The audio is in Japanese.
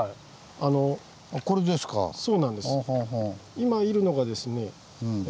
今いるのがですね